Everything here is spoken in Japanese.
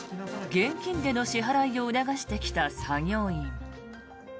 現金での支払いを促してきた作業員。